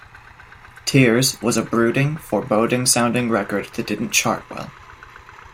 "Tears" was a brooding, foreboding sounding record that didn't chart well.